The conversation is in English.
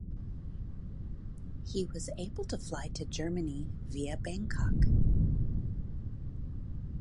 He was able to fly to Germany via Bangkok.